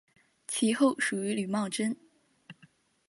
其后属于李茂贞。